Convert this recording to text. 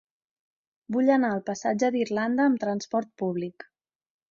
Vull anar al passatge d'Irlanda amb trasport públic.